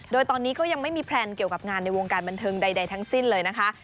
โดยตอนนี้ก็ยังไม่มีแพลนเกี่ยวกับงานในวงการบันเทิงใดทั้งสิ้นเลยนะคะ